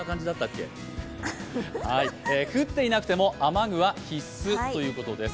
降っていなくても雨具は必須ということです。